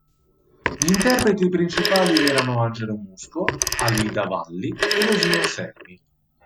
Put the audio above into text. Gli interpreti principali erano Angelo Musco, Alida Valli e Rosina Anselmi.